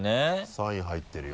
サイン入ってるよ。